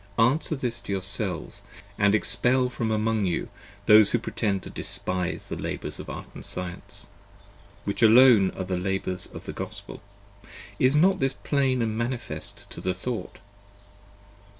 Answer this to yourselves, & expel from among you those who pretend to despise the labours of Art & Science, which alone are the labours of the Gospel : Is not this plain & manifest to the thought?